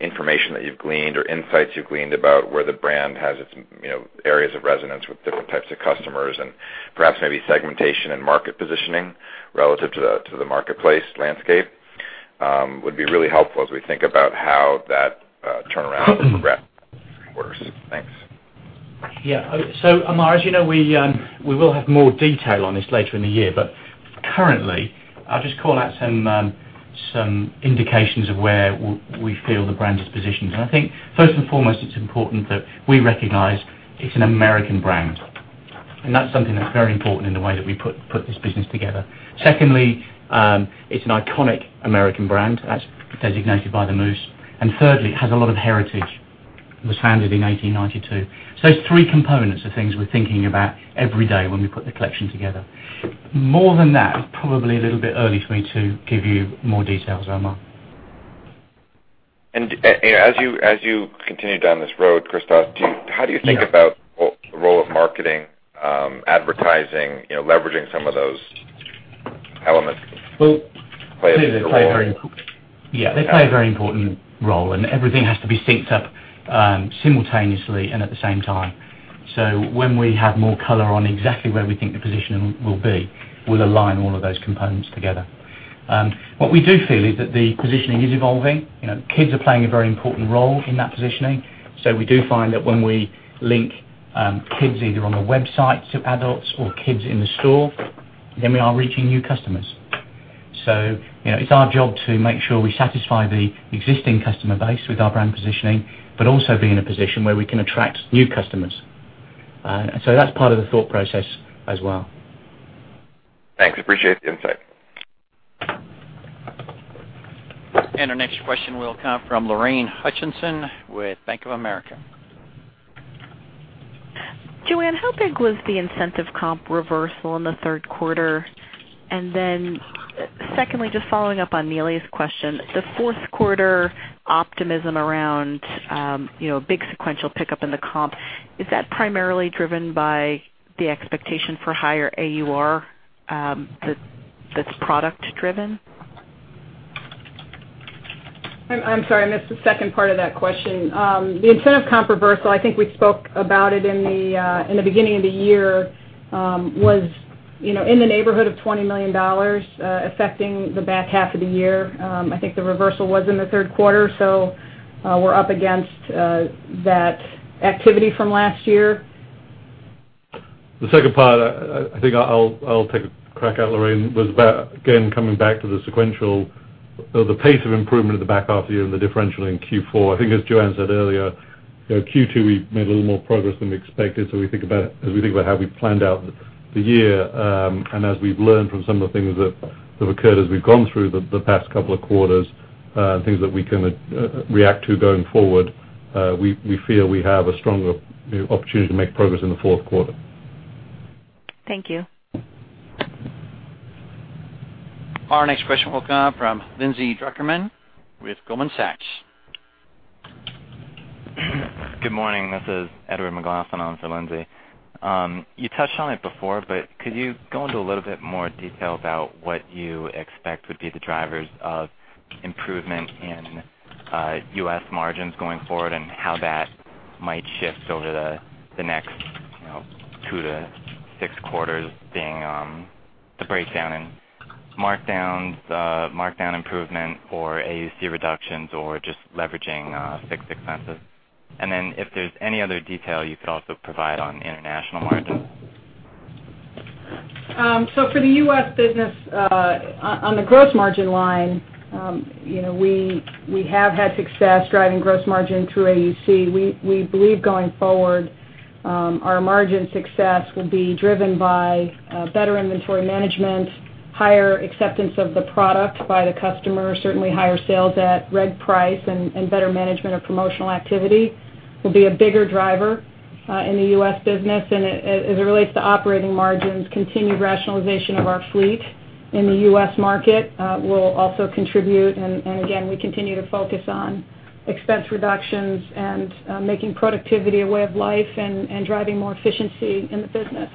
S21: information that you've gleaned or insights you've gleaned about where the brand has its areas of resonance with different types of customers and perhaps maybe segmentation and market positioning relative to the marketplace landscape would be really helpful as we think about how that turnaround progresses. Thanks.
S7: Yeah. Omar, as you know, we will have more detail on this later in the year, currently I'll just call out some indications of where we feel the brand is positioned. I think first and foremost, it's important that we recognize it's an American brand. That's something that's very important in the way that we put this business together. Secondly, it's an iconic American brand as designated by the Moose. Thirdly, it has a lot of heritage. It was founded in 1892. Those three components are things we're thinking about every day when we put the collection together. More than that, it's probably a little bit early for me to give you more details, Omar.
S21: As you continue down this road, Christos, how do you think about the role of marketing, advertising, leveraging some of those elements play into the role?
S7: Yeah, they play a very important role, everything has to be synced up simultaneously and at the same time. When we have more color on exactly where we think the positioning will be, we'll align all of those components together. What we do feel is that the positioning is evolving. Kids are playing a very important role in that positioning. We do find that when we link Kids either on the website to adults or Kids in the store, then we are reaching new customers. It's our job to make sure we satisfy the existing customer base with our brand positioning, but also be in a position where we can attract new customers. That's part of the thought process as well.
S21: Thanks. Appreciate the insight.
S1: Our next question will come from Lorraine Hutchinson with Bank of America.
S22: Joanne, how big was the incentive comp reversal in the third quarter? Secondly, just following up on Neely's question, the fourth quarter optimism around a big sequential pickup in the comp, is that primarily driven by the expectation for higher AUR that's product driven? I'm sorry, I missed the second part of that question. The incentive comp reversal, I think we spoke about it in the beginning of the year, was in the neighborhood of $20 million affecting the back half of the year. I think the reversal was in the third quarter, so we're up against that activity from last year.
S4: The second part, I think I'll take a crack at it, Lorraine. Was about, again, coming back to the sequential.
S7: The pace of improvement in the back half of the year and the differential in Q4. I think as Joanne Crevoiserat said earlier, Q2, we made a little more progress than we expected. As we think about how we planned out the year, as we've learned from some of the things that have occurred as we've gone through the past couple of quarters, things that we can react to going forward, we feel we have a stronger opportunity to make progress in the fourth quarter.
S22: Thank you.
S1: Our next question will come from Lindsay Drucker Mann with Goldman Sachs.
S23: Good morning. This is Edward McLaughlin in for Lindsay. You touched on it before, could you go into a little bit more detail about what you expect would be the drivers of improvement in U.S. margins going forward, how that might shift over the next two to six quarters, being the breakdown in markdowns, markdown improvement or AUC reductions, or just leveraging fixed expenses? If there's any other detail you could also provide on international margins.
S5: For the U.S. business, on the gross margin line, we have had success driving gross margin through AUC. We believe going forward, our margin success will be driven by better inventory management, higher acceptance of the product by the customer, certainly higher sales at reg price, and better management of promotional activity will be a bigger driver in the U.S. business. As it relates to operating margins, continued rationalization of our fleet in the U.S. market will also contribute. Again, we continue to focus on expense reductions and making productivity a way of life and driving more efficiency in the business.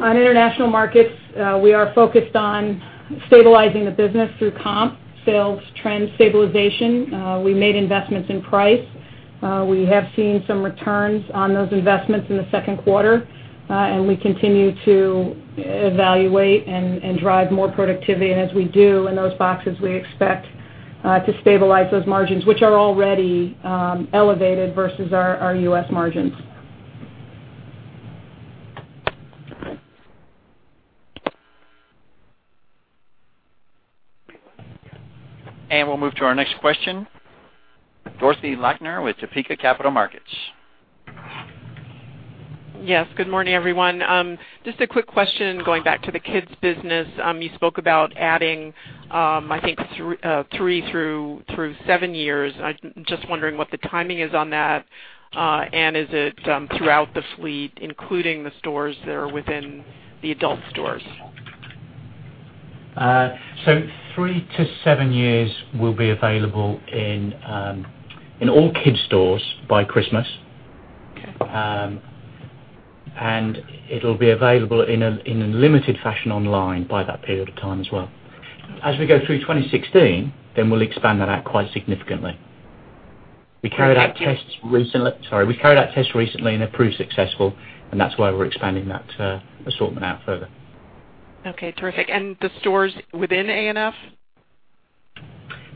S5: On international markets, we are focused on stabilizing the business through comp sales trend stabilization. We made investments in price. We have seen some returns on those investments in the second quarter, and we continue to evaluate and drive more productivity. As we do in those boxes, we expect to stabilize those margins, which are already elevated versus our U.S. margins.
S1: We'll move to our next question. Dorothy Lakner with Topeka Capital Markets.
S24: Yes. Good morning, everyone. Just a quick question, going back to the kids business. You spoke about adding, I think, three through seven years. I'm just wondering what the timing is on that. Is it throughout the fleet, including the stores that are within the adult stores?
S7: Three to seven years will be available in all Kids stores by Christmas.
S24: Okay.
S7: It'll be available in a limited fashion online by that period of time as well. We go through 2016, we'll expand that out quite significantly. We carried out tests recently, and they proved successful, and that's why we're expanding that assortment out further.
S24: Okay, terrific. The stores within ANF?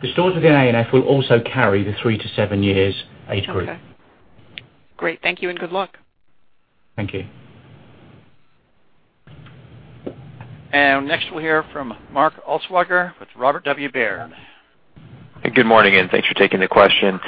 S7: The stores within ANF will also carry the three to seven years age group.
S24: Okay. Great. Thank you, and good luck.
S7: Thank you.
S1: Next we'll hear from Mark Altschwager with Robert W. Baird.
S25: Good morning, and thanks for taking the question.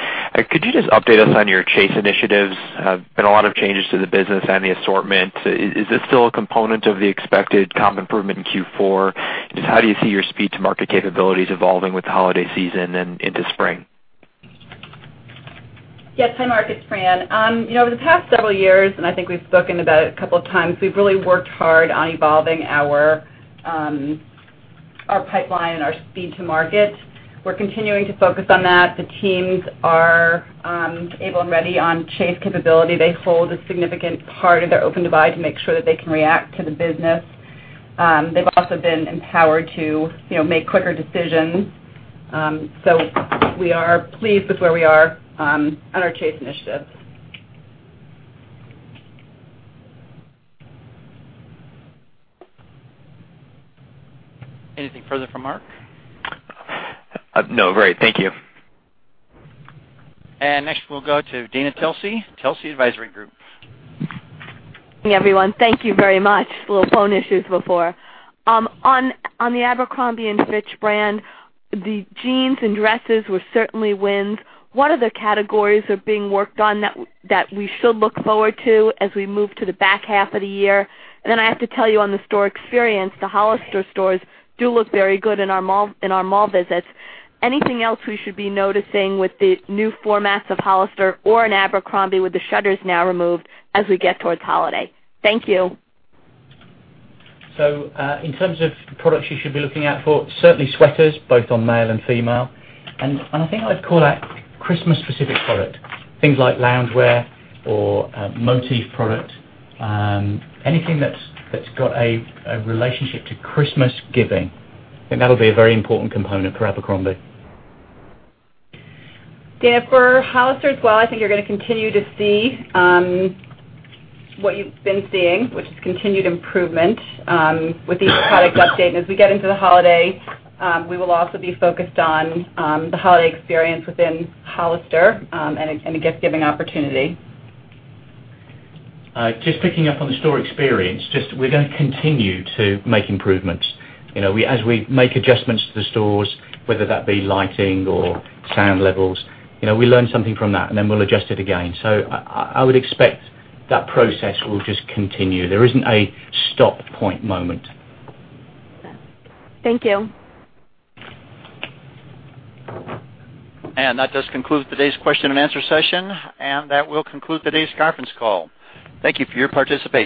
S25: Could you just update us on your chase initiatives? There have been a lot of changes to the business and the assortment. Is this still a component of the expected comp improvement in Q4? Just how do you see your speed to market capabilities evolving with the holiday season and into spring?
S6: Yes. Hi, Mark. It's Fran. Over the past several years, and I think we've spoken about it a couple of times, we've really worked hard on evolving our pipeline and our speed to market. We're continuing to focus on that. The teams are able and ready on chase capability. They hold a significant part of their open-to-buy to make sure that they can react to the business. They've also been empowered to make quicker decisions. We are pleased with where we are on our chase initiative.
S1: Anything further from Mark?
S25: No, great. Thank you.
S1: Next, we'll go to Dana Telsey Advisory Group.
S26: Hey, everyone. Thank you very much. Little phone issues before. On the Abercrombie & Fitch brand, the jeans and dresses were certainly wins. What other categories are being worked on that we should look forward to as we move to the back half of the year? Then I have to tell you on the store experience, the Hollister stores do look very good in our mall visits. Anything else we should be noticing with the new formats of Hollister or in Abercrombie with the shutters now removed as we get towards holiday? Thank you.
S7: In terms of products you should be looking out for, certainly sweaters, both on male and female, and I think I'd call out Christmas specific product, things like loungewear or motif product. Anything that's got a relationship to Christmas giving. I think that'll be a very important component for Abercrombie.
S5: Dana, for Hollister as well, I think you're going to continue to see what you've been seeing, which is continued improvement with each product update. As we get into the holiday, we will also be focused on the holiday experience within Hollister, and a gift-giving opportunity.
S7: Just picking up on the store experience, we're going to continue to make improvements. As we make adjustments to the stores, whether that be lighting or sound levels, we learn something from that, and then we'll adjust it again. I would expect that process will just continue. There isn't a stop point moment.
S26: Thank you.
S1: That does conclude today's question and answer session, and that will conclude today's conference call. Thank you for your participation.